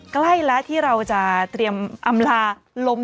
ใกล้และที่เราตื่นอำราบครม